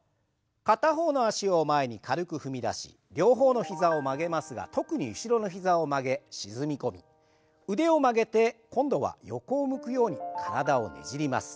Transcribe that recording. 片方の脚を前に軽く踏み出し両方の膝を曲げますが特に後ろの膝を曲げ沈み込み腕を曲げて今度は横を向くように体をねじります。